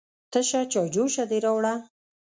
_تشه چايجوشه دې راوړه؟